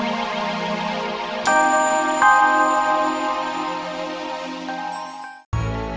gak usah paham om